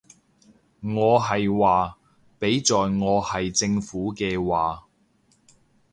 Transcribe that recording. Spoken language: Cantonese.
我係話，畀在我係政府嘅話